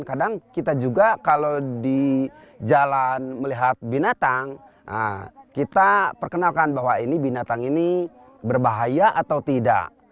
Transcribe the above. kadang kita juga kalau di jalan melihat binatang kita perkenalkan bahwa ini binatang ini berbahaya atau tidak